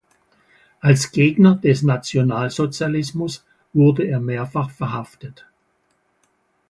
Als Gegner des Nationalsozialismus wurde er mehrfach verhaftet.